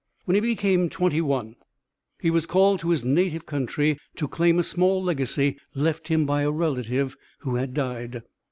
When he became twenty one he was called to his native country to claim a small legacy left him by a relative who had died.